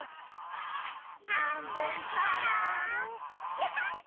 キャハッ！